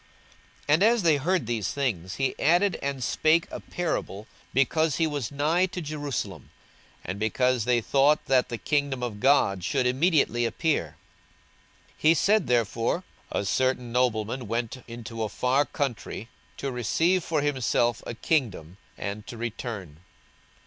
42:019:011 And as they heard these things, he added and spake a parable, because he was nigh to Jerusalem, and because they thought that the kingdom of God should immediately appear. 42:019:012 He said therefore, A certain nobleman went into a far country to receive for himself a kingdom, and to return.